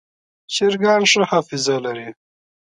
چرګان ښه حافظه لري.